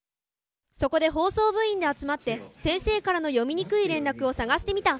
そこで放送部員で集まって先生からの読みにくい連絡を探してみた。